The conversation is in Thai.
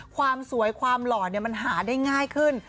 ความสวยความหล่อมันหาได้ง่ายขึ้น